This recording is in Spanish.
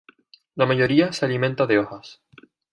La mayoría se alimenta de hojas.